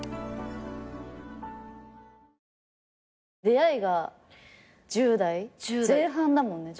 出会いが１０代前半だもんね。